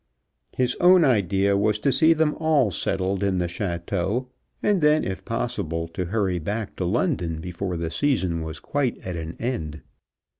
His own idea was to see them all settled in the château, and then, if possible, to hurry back to London before the season was quite at an end.